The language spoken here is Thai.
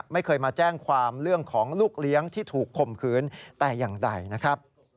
ไม่เคยมาแจ้งความเรื่องของลูกเลี้ยงที่ถูกคมคืนแต่อย่างใดนะครับ